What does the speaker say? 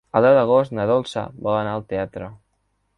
El deu d'agost na Dolça vol anar al teatre.